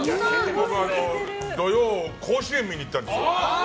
僕、土曜甲子園、見に行ったんですよ。